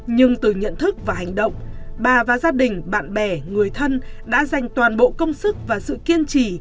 nhưng từ nhận thức và hành động bà và gia đình bạn bè người thân đã dành toàn bộ công sức và sự kiên trì